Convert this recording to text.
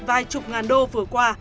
vài chục ngàn đô vừa qua